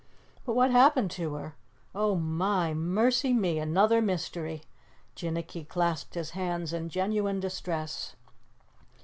"But what happened to her? Oh, my, mercy me, another mystery!" Jinnicky clasped his hands in genuine distress.